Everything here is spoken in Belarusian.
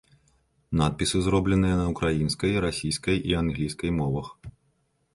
Надпісы зробленыя на ўкраінскай, расійскай і англійскай мовах.